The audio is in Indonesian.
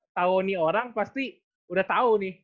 tau nih orang pasti udah tau nih